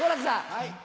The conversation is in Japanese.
はい。